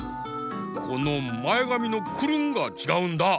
このまえがみのクルンがちがうんだ！